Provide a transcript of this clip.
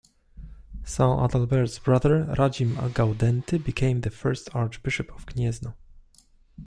Saint Adalbert's brother Radzim Gaudenty became the first archbishop of Gniezno.